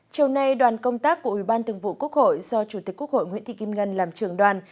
châu nay đoàn công tác của ủy ban thường vụ quốc hội do chủ tịch quốc hội nguyễn thị kim ngân làm trường đoàn